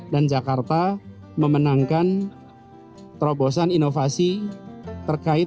dan jakarta memenangkan terobosan inovasi